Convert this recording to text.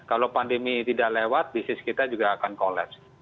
kalau pandemi tidak lewat bisnis kita juga akan collapse